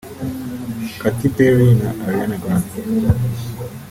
Katy Perry na Ariana Grande